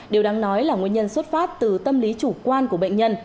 điều đáng nói là nguyên nhân xuất phát từ tâm lý chủ quan của bệnh nhân